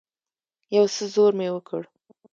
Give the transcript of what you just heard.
يو څه زور مې وکړ.